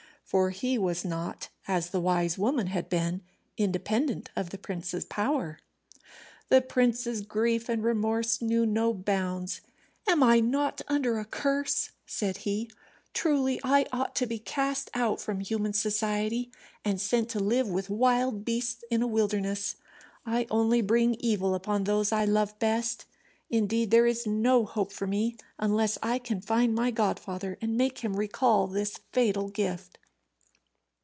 For he was not, as the wise woman had been, independent of the prince's power. The prince's grief and remorse knew no bounds. "Am I not under a curse?" said he. "Truly I ought to be cast out from human society, and sent to live with wild beasts in a wilderness. I only bring evil upon those I love best indeed, there is no hope for me unless I can find my godfather, and make him recall this fatal gift."